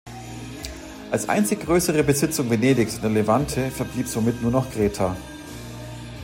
Als einzige größere Besitzung Venedigs in der Levante verblieb somit nur noch Kreta.